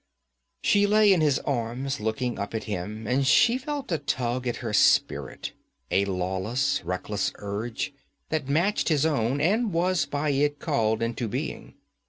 She lay in his arms looking up at him, and she felt a tug at her spirit, a lawless, reckless urge that matched his own and was by it called into being.